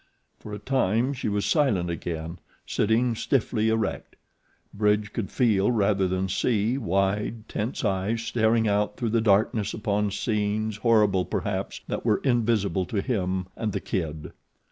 For a time she was silent again, sitting stiffly erect. Bridge could feel rather than see wide, tense eyes staring out through the darkness upon scenes, horrible perhaps, that were invisible to him and the Kid.